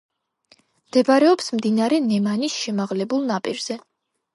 მდებარეობს მდინარე ნემანის შემაღლებულ ნაპირზე.